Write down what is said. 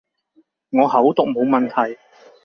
我口讀冇問題